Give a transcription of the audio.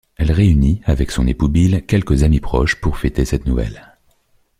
Elle réunit avec son époux Bill quelques amis proches pour fêter cette nouvelle.